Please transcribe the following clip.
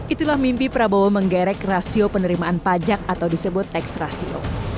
itulah mimpi prabowo menggerek rasio penerimaan pajak atau disebut tax rasio